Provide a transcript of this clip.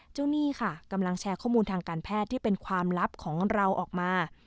หนี้ค่ะกำลังแชร์ข้อมูลทางการแพทย์ที่เป็นความลับของเราออกมา